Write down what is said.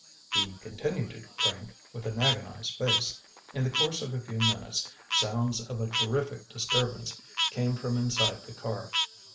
He continued to crank with agonized face. In the course of a few minutes, sounds of a terrific disturbance came from inside the car.